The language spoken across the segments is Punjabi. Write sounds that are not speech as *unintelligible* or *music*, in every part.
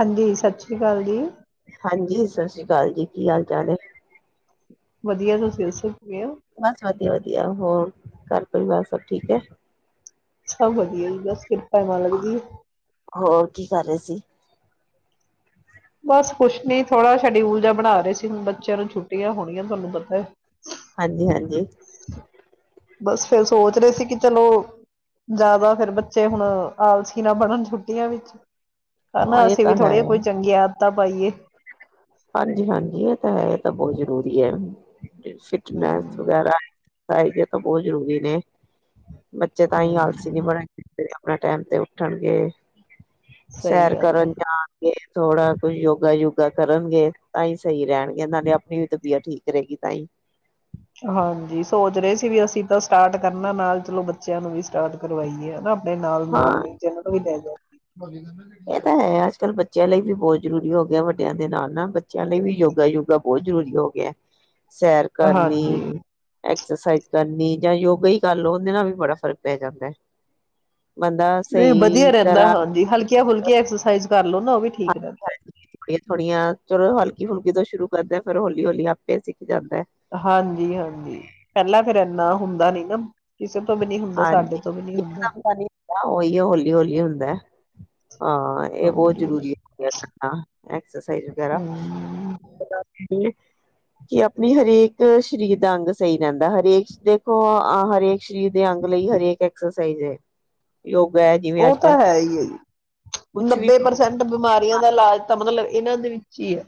ਹਾਂਜੀ, ਸਤਿ ਸ੍ਰੀ ਅਕਾਲ ਜੀ। ਹਾਂਜੀ ਸਤਿ ਸ਼੍ਰੀ ਅਕਾਲ ਜੀ, ਕੀ ਹਾਲ ਚਾਲ ਏ। ਵਧੀਆ, ਤੁਸੀਂ ਦਸੋ ਕਿਵੇਂ ਹੋ? ਬਸ ਵਧੀਆ-ਵਧੀਆ ਹੋਰ ਘਰ ਪਰਿਵਾਰ ਸਭ ਠੀਕ ਹੈ? ਸਭ ਵਧੀਆ ਜੀ ਬੱਸ ਕਿਰ ਹੋਰ ਕੀ ਕਰ ਰਹੇ ਸੀ? ਬਸ ਕੁੱਛ ਨੀ ਥੋੜਾ ਸ਼ਡਿਊਲ ਜਾ ਬਣਾ ਰਹੇ ਸੀ, ਹੁਣ ਬੱਚਿਆਂ ਨੂੰ ਛੁੱਟੀਆਂ ਹੋਣੀਆਂ ਤੁਹਾਨੂੰ ਪਤਾ। ਹਾਂਜੀ-ਹਾਂਜੀ। ਬਸ ਫਿਰ ਸੋਚ ਰਹੇ ਸੀ ਕਿ ਚਲੋ ਜਿਆਦਾ ਫੇਰ ਬੱਚੇ ਹੁਣ ਆਲਸੀ ਨਾ ਬਣਨ ਛੁੱਟੀਆਂ ਵਿੱਚ। ਹਾਂ ਹੇਨਾ, ਇਹ ਅਸੀਂ ਵੀ ਤਾਂ ਹੈ ਥੋੜੇ ਕੋਈ ਚੰਗੇ ਆਦਤਾ ਪਾਈਏ। ਹਾਂਜੀ ਹਾਂਜੀ, ਇਹ ਤਾਂ ਹੈ ਇਹ ਤਾਂ ਬਹੁਤ ਜ਼ਰੂਰੀ ਏ। ਫਿਟਨੈਸ ਹਮ ਵਗੈਰਾ। *unintelligible* ਤਾਂ ਬਹੁਤ ਜ਼ਰੂਰੀ ਨੇ। ਬੱਚੇ ਤਾਂ ਹੀ ਆਲਸੀ ਨੀ ਹਮ ਬਣਨਗੇ। ਆਪਣਾ ਟੈਮ ਤੇ ਉੱਠਣਗੇ। ਸਹੀ ਸੈਰ ਗੱਲ ਹੈ ਕਰਨ ਜਾਨ ਥੋੜਾ ਕੋਈ ਯੋਗਾ ਯੁੱਗਾ ਕਰ ਕਰਨਗੇ ਤਾਂ ਹੀ ਸਹੀ ਰੇਣਗੇ ਇਹਨਾਂ ਦੀ ਆਪਣੀ ਵੀ ਤਬੀਅਤ ਠੀਕ ਰਹੇਗੀ ਤਾਂ ਹੀ। ਹਾਂਜੀ ਸੋਚ ਰਹੇ ਵੀ ਅਸੀਂ ਬਸ ਸਟਾਰਟ ਕਰਨਾ ਨਾਲ ਚਲੋ ਬੱਚੇ ਤੇ ਇਹਨੂੰ ਵੀ ਸਟਾਰਟ ਕਰਵਾਈਏ ਹਨਾਂ। ਹਾਂ *unintelligible* ਇਹ ਤਾਂ ਹੈ। ਕੱਲ੍ਹ ਬੱਚਿਆਂ ਲਈ ਵੀ ਬਹੁਤ ਜ਼ਰੂਰੀ ਹੋ ਗਿਆ, ਵੱਡਿਆਂ ਦੇ ਨਾਲ ਨਾ ਬੱਚਿਆਂ ਲਈ ਵੀ ਯੋਗਾ, ਯੋਗਾ ਬਹੁਤ ਜ਼ਰੂਰੀ ਹੋ ਗਿਆ। ਸੈਰ ਕਰਨੀ। ਹਾਂਜੀ ਐਕਸਰਸਾਈਜ਼ ਕਰਨੀ ਜਾਂ ਯੋਗਾ ਹੀ ਕਰ ਲਓ, ਉਹਦੇ ਨਾਲ ਵੀ ਬੜਾ ਫ਼ਰਕ ਪੈ ਜਾਂਦਾ ਹੈ। ਬੰਦਾ ਨਹੀਂ ਵਧੀਆ ਸਹੀ ਰਹਿੰਦਾ, ਤਰ੍ਹਾਂ ਹਾਂਜੀ ਹਲਕੀਆਂ ਫੁਲਕੀਆਂ ਐਕਸਰਸਾਈਜ਼ ਕਰ ਲੋ। ਨਾ ਉਹ ਵੀ ਹ ਠੀਕ ਰਹਿੰਦਾ। ਇਹ ਥੋੜੀਆਂ ਚਲੋ ਹਲਕੀ ਫੁਲਕੀ ਤੋਂ ਸ਼ੁਰੂ ਕਰਦੇ ਫਿਰ ਹੌਲੀ ਹੌਲੀ ਆਪੇ ਸੀ। ਹਾਂਜੀ ਹਾਂਜੀ ਪਹਿਲਾਂ ਫ਼ਿਰ ਇਨ੍ਹਾਂ ਹੁੰਦਾ ਨੀ ਨਾ ਕਿਸ ਹਾਂਜੀ ਮ ਹੁੰਦਾਂ ਨੀ ਹੁੰ ਉਹੀ ਹੈ ਹੌਲੀ ਹੌਲੀ ਹੁੰਦਾ। ਹਾਂ ਇਹ ਬਹੁਤ ਹਾਂਜੀ ਜ਼ਰੂਰੀ ਹੈਣਾ ਹਾਂ। ਐਕਸਰਸਾਈਜ਼ ਵਗੈਰਾ, ਹਮ ਬੰਦਾ ਕੀ ਕਰੇ। ਕਿ ਆਪਣੀ ਹਰੇਕ ਸਰੀਰ ਦਾ ਅੰਗ ਸਹੀ ਰਹਿੰਦਾ, ਹਰੇਕ ਦੇਖੋ ਹਰੇਕ ਸਰੀਰ ਦੇ ਅੰਗ ਲਈ ਹਰੇਕ ਐਕਸਰਸਾਈਜ਼ ਹੈ। ਯੋਗਾ ਹੈ ਜਿਵੇਂ ਉਹ ਅੱਜ ਤਾਂ ਕੱਲ ਹੈ ਹੀ ਹੈ ਜੀ। ਕੁਛ ਵੀ ਨੱਬੇ ਪ੍ਰਸੈਂਟ ਬਿਮਾਰੀਆਂ ਦਾ ਇਲਾਜ ਤਾਂ ਮਤਲਬ ਇਹਨਾਂ ਦੇ ਵਿੱਚ ਹੀ ਹੈ।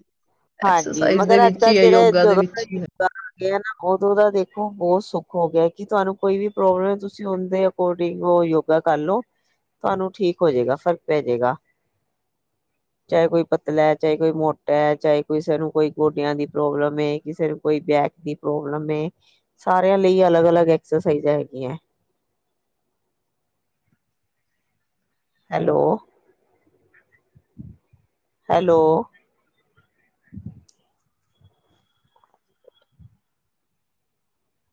ਹਾਂਜੀ ਐਕਸਰਸਾਈਜ਼ ਦੇ ਮਗਰ ਅੱਜ ਵਿੱਚ ਕੱਲ੍ਹ ਹੀ ਹੈ ਜਿਹੜੇ ਦੇ ਯੋਗਾ ਵਿੱਚ ਹੀ ਨਾ ਉਦੋਂ ਦਾ ਦੇਖੋ ਬਹੁਤ ਸੁੱਖ ਹੋ ਗਿਆ, ਕਿ ਤੁਹਾਨੂੰ ਕੋਈ ਵੀ ਪ੍ਰੋਬਲਮ ਤੁਸੀਂ ਉਹਦੇ ਅਕੋਰਡਿੰਗ ਉਹ ਯੋਗਾ ਕਰਲੋ, ਤੁਹਾਨੂੰ ਠੀਕ ਹੋ ਜਾਏਗਾ, ਫ਼ਰਕ ਪੈ ਜਾਏਗਾ, ਕੋਈ ਪਤਲਾ ਚਾਹੇ ਕੋਈ ਮੋਟਾ ਹੈ, ਚਾਹੇ ਕਿਸੇ ਨੂੰ ਕੋਈ ਗੋਡਿਆਂ ਦੀ ਪ੍ਰੋਬਲਮ ਹੈ, ਕਿਸੇ ਨੂੰ ਕੋਈ ਬੈਕ ਦੀ ਪ੍ਰੋਬਲਮ ਹੈ, ਸਾਰਿਆਂ ਲਈ ਅਲੱਗ ਅਲੱਗ ਐਕਸਰਸਾਈਜ਼ ਹੈਗੀਆਂ। ਹੈਲੋ। ਹੈਲੋ।